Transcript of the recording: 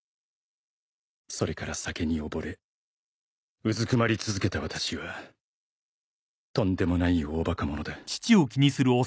「それから酒に溺れうずくまり続けた私はとんでもない大バカ者だ」